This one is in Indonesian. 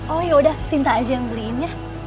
oh ya udah sinta aja yang beliinnya